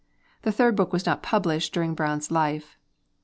The Third Book was not published during Browne's life.